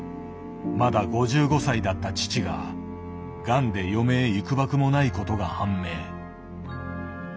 まだ５５歳だった父ががんで余命いくばくもないことが判明。